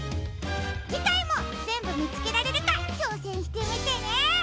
じかいもぜんぶみつけられるかちょうせんしてみてね！